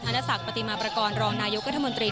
นศักดิ์ปฏิมาประกอบรองนายกรัฐมนตรี